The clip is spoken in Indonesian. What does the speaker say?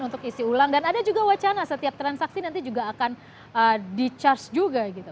untuk isi ulang dan ada juga wacana setiap transaksi nanti juga akan di charge juga gitu